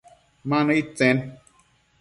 Ma nëid tsen ?